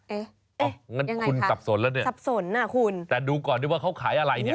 เอ๊ะยังไงคะสับสนนะคุณแต่ดูก่อนดูว่าเขาขายอะไรเนี่ย